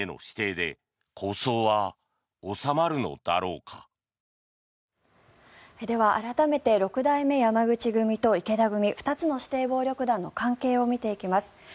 では改めて六代目山口組と池田組２つの指定暴力団の関係を見ていきます。